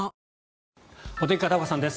お天気、片岡さんです。